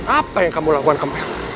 apa yang kamu lakukan ke mel